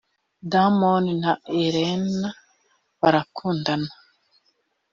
damon na elena barakundana